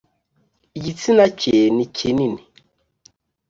igitsina ke nikinini